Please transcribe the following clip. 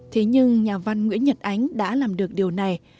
thế nhưng nhà văn nguyễn nhật ánh đã làm được điều này